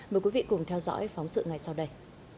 mời quý vị cùng theo dõi phóng sự ngay sau đây